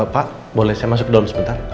pak boleh saya masuk ke dalam sebentar